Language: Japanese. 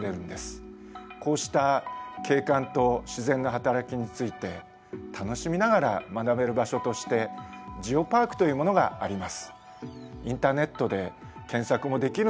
こうした景観と自然のはたらきについて楽しみながら学べる場所として「ジオパーク」というものがあります。